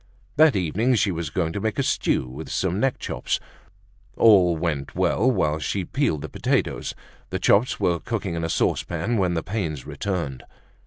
That evening she was going to make a stew with some neck chops. All went well while she peeled the potatoes. The chops were cooking in a saucepan when the pains returned.